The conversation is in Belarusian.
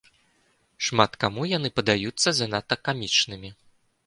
Шмат каму яны падаюцца занадта камічнымі.